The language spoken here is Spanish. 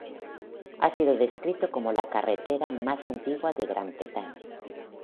Ha sido descrito como la carretera más antigua de Gran Bretaña.